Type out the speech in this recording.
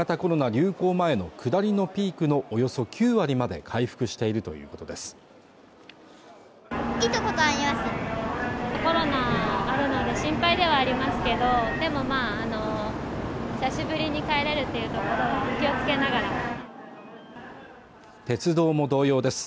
流行前の下りのピークのおよそ９割まで回復しているということです